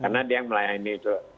karena dia yang melayani itu